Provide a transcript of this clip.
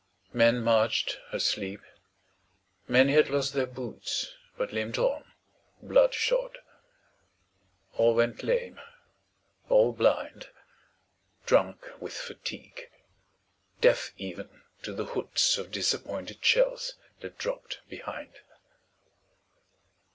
Men marched asleep. Many had lost their boots But limped on, blood shod. All went lame; all blind; Drunk with fatigue; deaf even to the hoots Of disappointed shells that dropped behind.